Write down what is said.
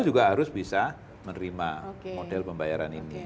juga harus bisa menerima model pembayaran ini